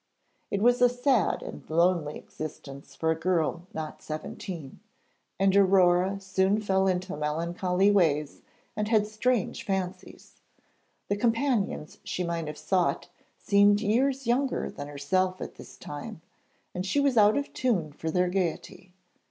It was a sad and lonely existence for a girl not seventeen, and Aurore soon fell into melancholy ways, and had strange fancies. The companions she might have sought seemed years younger than herself at this time, and she was out of tune for their gaiety.